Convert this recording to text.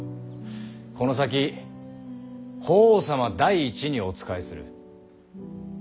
この先法皇様第一にお仕えする。